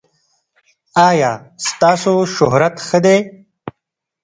ایا ستاسو شهرت ښه دی؟